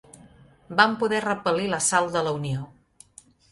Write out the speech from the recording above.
Van poder repel·lir l'assalt de la Unió.